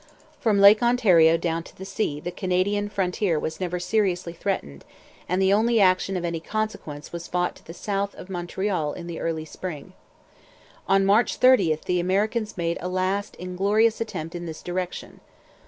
From Lake Ontario down to the sea the Canadian frontier was never seriously threatened; and the only action of any consequence was fought to the south of Montreal in the early spring. On March 30 the Americans made a last inglorious attempt in this direction.